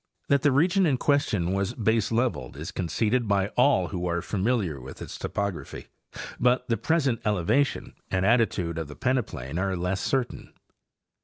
That the region in question was baseleveled is conceded by all who are familiar with its topog raphy, but the present elevation and attitude of the peneplain are less certain.